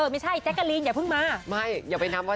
ไม่ใช่แจ็คกาลินอย่าเพิ่งมา